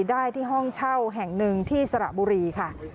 ได้ที่ห้องเช่าแห่งหนึ่งที่สระบุรีค่ะ